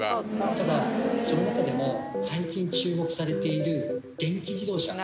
ただその中でも最近注目されている電気自動車